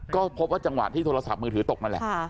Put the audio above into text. ก็พบว่าจังหวะที่โทรศัพท์มือถือตกนั่นแหละ